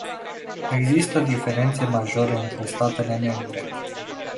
Există diferențe majore între statele membre.